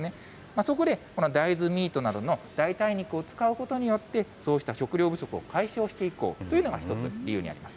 そこで、この大豆ミートなどの代替肉を使うことによって、そうした食料不足を解消していこうというのが一つ、理由にあります。